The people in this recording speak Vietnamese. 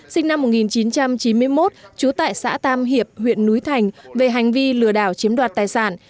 sinh năm một nghìn chín trăm chín mươi một trú tại xã tam hiệp huyện núi thành về hành vi lừa đảo chiếm đoạt tài sản